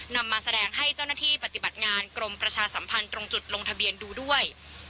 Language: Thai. นำมาแสดงให้เจ้าหน้าที่ปฏิบัติงานกรมประชาสัมพันธ์ตรงจุดลงทะเบียนดูด้วย